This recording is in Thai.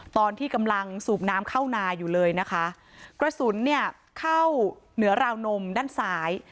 ตอนที่กำลังสูบน้ำเข้านาอยู่เลยนะคะกระสุนเนี่ยเข้าเหนือราวนมด้านซ้าย